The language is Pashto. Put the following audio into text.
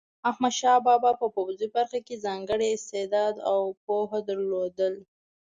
احمدشاه بابا په پوځي برخه کې ځانګړی استعداد او پوهه درلوده.